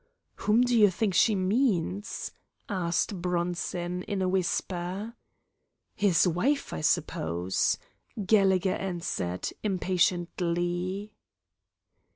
"Whom do you think she means?" asked Bronson, in a whisper. "His wife, I suppose," Gallegher answered, impatiently.